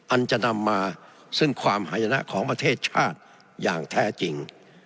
อันจะนำมาซึ่งความหายนะของประเทศชาติอย่างแท้จริง